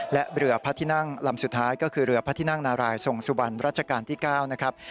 และเรือพระที่นั่งลำสุดท้ายก็คือเรือพระที่นั่งนารายทรงสุบันรัชกาลที่๙นะครับ